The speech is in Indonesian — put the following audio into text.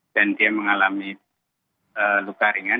dan dia mengalami luka ringan